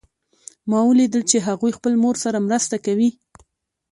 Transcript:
ما ولیدل چې هغوی خپل مور سره مرسته کوي